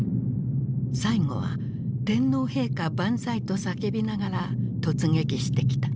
最後は「天皇陛下万歳」と叫びながら突撃してきた。